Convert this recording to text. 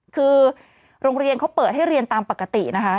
คือโรงเรียนเขาเปิดให้เรียนตามปกตินะคะ